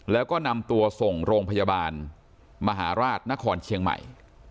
แล้วก็นำตัวส่งโรงพยาบาลมหาราชนครเชียงใหม่